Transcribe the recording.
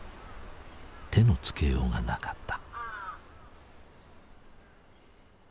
手のつけようがなかった。